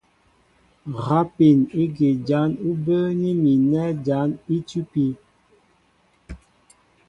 Rápin ígí jǎn ú bə́ə́ní mi nɛ̂ jǎn í tʉ́pí.